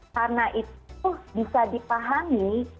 karena itu bisa dipahami